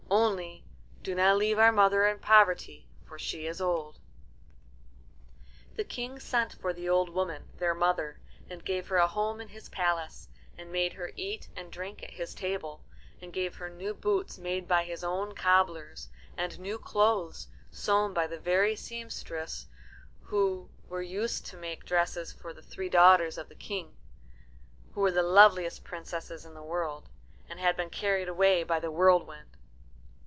Only, do not leave our mother in poverty, for she is old." The King sent for the old woman, their mother, and gave her a home in his palace, and made her eat and drink at his table, and gave her new boots made by his own cobblers, and new clothes sewn by the very sempstresses who were used to make dresses for the three daughters of the King, who were the loveliest princesses in the world, and had been carried away by the whirlwind.